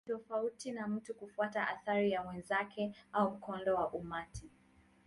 Ni tofauti na mtu kufuata athari ya wenzake au mkondo wa umati.